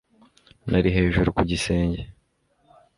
Nari hejuru ku gisenge